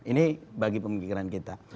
ini bagi pemikiran kita